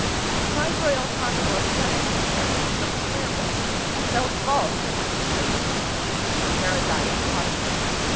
" My royal consort is unable to answer so terrible and so false an accusation," said Herodias haughtily.